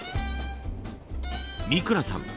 三倉さん